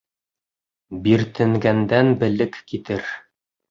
Биртенгәндән белек китер.